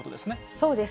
そうです。